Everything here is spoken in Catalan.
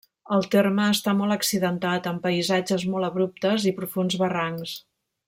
El terme està molt accidentat, amb paisatges molt abruptes i profunds barrancs.